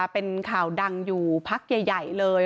เป็นข่าวดังอยู่พักใหญ่เลย